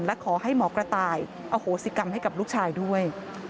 และขอให้หมอกระต่ายอโหสิกรรมให้กับลูกชายด้วย